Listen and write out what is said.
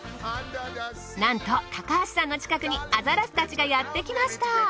なんと高橋さんの近くにアザラシたちがやってきました。